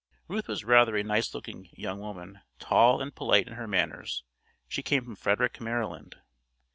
Ruth was rather a nice looking young woman, tall, and polite in her manners. She came from Frederick, Maryland.